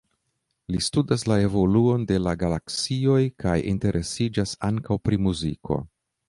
Li studas la evoluon de la galaksioj kaj interesiĝas ankaŭ pri muziko.